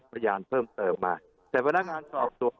พยานเพิ่มเติมมาแต่พนักงานสอบสวน